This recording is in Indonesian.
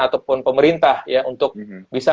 ataupun pemerintah ya untuk bisa